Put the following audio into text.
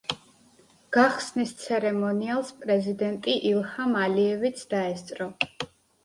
გახსნის ცერემონიალს პრეზიდენტი ილჰამ ალიევიც დაესწრო.